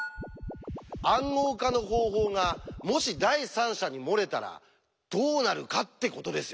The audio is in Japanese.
「暗号化の方法」がもし第三者に漏れたらどうなるかってことですよ！